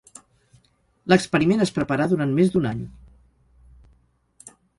L'experiment es preparà durant més d'un any.